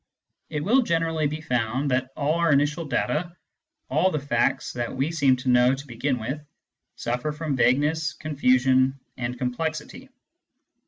It will generally be found that all our initial data, all the facts that we seem to know to begin with, suffer from vagueness, confusion, and complexity.